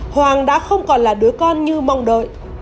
hoàng đã không còn là đứa con như mong đợi